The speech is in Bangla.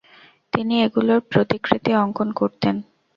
তিনি এগুলোর প্রতিকৃতি অঙ্কন করতেন।